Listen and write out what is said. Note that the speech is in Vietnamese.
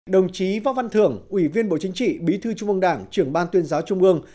đồng chí võ văn thưởng ủy viên bộ chính trị bí thư trung ương đảng trưởng ban tuyên giáo trung ương